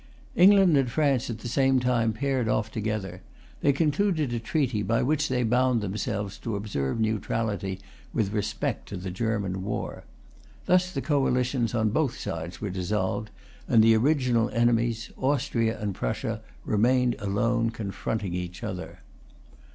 England and France at the same time paired off together. They concluded a treaty, by which they bound themselves to observe neutrality with respect to the German war. Thus the coalitions on both sides were dissolved; and the original enemies, Austria and Prussia, remained alone confronting each other.